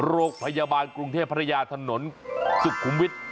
โรงพยาบาลกรุงเทพภรรยาถนนสุขุมวิทย์